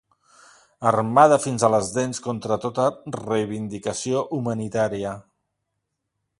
Armada fins a les dents contra tota reivindicació humanitària